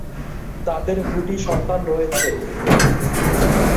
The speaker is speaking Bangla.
তাদের দুটি সন্তান রয়েছে।